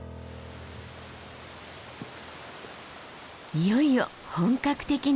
いよいよ本格的な登り。